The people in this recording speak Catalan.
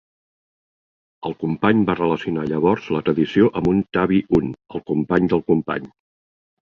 El company va relacionar llavors la tradició amb un Tabi'un, el company del company.